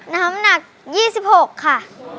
น้ำหนัก๒๖ค่ะ